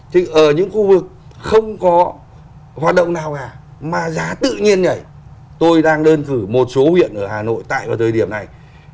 thì ở những khu vực không có hoạt động nào cả mà giá tự nhiên nhảy tôi đang đơn cử một số huyện ở hà nội tại vào thời điểm này